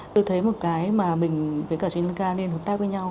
tôi thấy một cái mà mình với cả sri lanka nên hợp tác với nhau